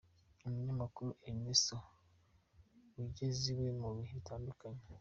Umunyamakuru Ernesto Ugeziwe mu bihe bitandukanye.